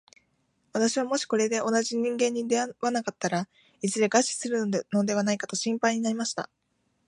私はもしこれで同じ人間に出会わなかったら、いずれ餓死するのではないかと心配になりました。